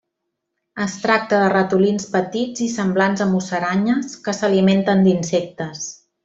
Es tracta de ratolins petits i semblants a musaranyes que s'alimenten d'insectes.